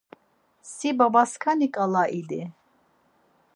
Si babaskaniǩala idi.